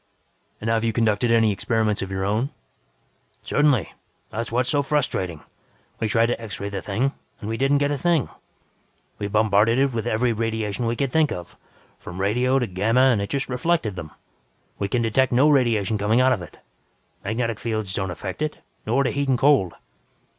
"And have you conducted any experiments of your own?" "Certainly. That's what is so frustrating. We try to X ray the thing, and we don't get a thing. We bombarded it with every radiation we could think of, from radio to gamma and it just reflected them. We can detect no radiation coming out of it. Magnetic fields don't effect it, nor do heat and cold.